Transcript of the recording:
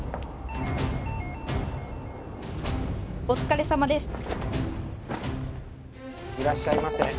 お疲れさまです。